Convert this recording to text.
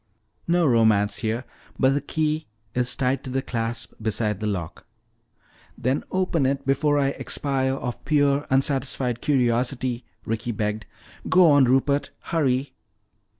"No romance here. But the key is tied to the clasp beside the lock." "Then open it before I expire of pure unsatisfied curiosity," Ricky begged. "Go on, Rupert. Hurry."